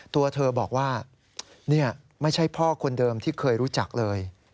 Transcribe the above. ตัวเธอบอกว่านี่ไม่ใช่พ่อคนเดิมที่เคยรู้จักเลย